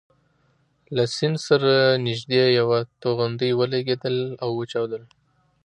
له سیند سره نژدې یوه توغندۍ ولګېدل او وچاودل.